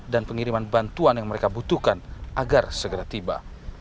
dan pengiriman bantuan yang mereka butuhkan agar segera tiba